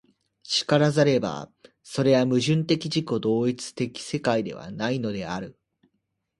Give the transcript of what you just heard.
然らざれば、それは矛盾的自己同一的世界ではないのである。